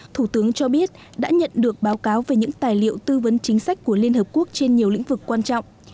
thủ tướng cho biết đã nhận được báo cáo về những tài liệu tư vấn chính sách của liên hợp quốc trên nhiều lĩnh vực quan trọng